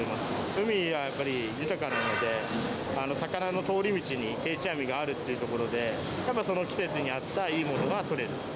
海がやっぱり豊かなので、魚の通り道に定置網があるっていうところで、やっぱりその季節に合ったいいものが取れる。